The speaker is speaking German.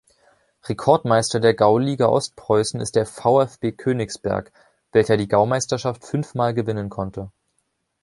Rekordmeister der Gauliga Ostpreußen ist der "VfB Königsberg", welcher die Gaumeisterschaft fünfmal gewinnen konnte.